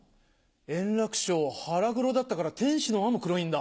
円楽師匠腹黒だったから天使の輪も黒いんだ。